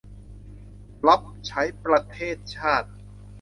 รับใช้ประเทศชาติ